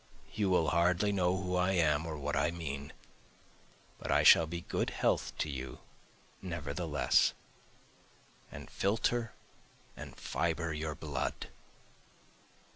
You will hardly know who I am or what I mean, But I shall be good health to you nevertheless, And filter and fibre your blood.